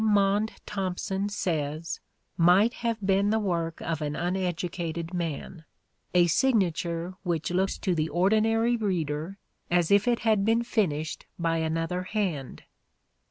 Maunde Thompson says might have been the work of an uneducated man : a signature which looks to the ordinary reader as if it had been finished by another hand.